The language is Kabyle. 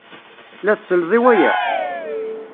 La tselled i waya?